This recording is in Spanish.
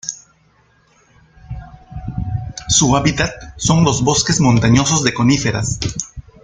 Su hábitat son los bosques montañosos de coníferas.